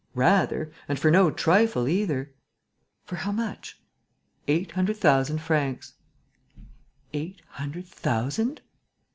"Rather! And for no trifle either." "For how much?" "Eight hundred thousand francs." "Eight hundred thousand?"